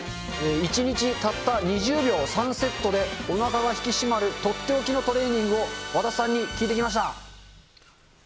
１日たった２０秒、３セットでおなかが引き締まる取って置きのトレーニングを和田さんに聞いてきました。